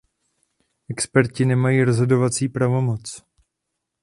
Experti nemají rozhodovací pravomoc.